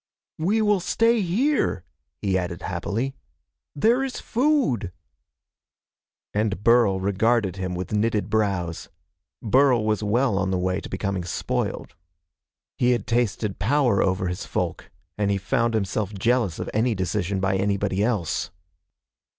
"We will stay here," he added happily. "There is food." And Burl regarded him with knitted brows. Burl was well on the way to becoming spoiled. He had tasted power over his folk, and he found himself jealous of any decision by anybody else.